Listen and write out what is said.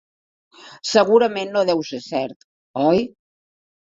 Segurament no deu ser cert, oi?